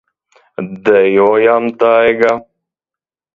Dejojam, Daiga!